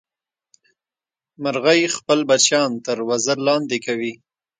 مورغۍ خپل بچیان تر وزر لاندې کوي